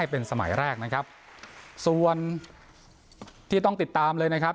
เป็นสมัยแรกนะครับส่วนที่ต้องติดตามเลยนะครับ